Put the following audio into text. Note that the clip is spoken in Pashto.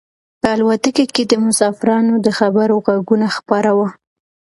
په الوتکه کې د مسافرانو د خبرو غږونه خپاره وو.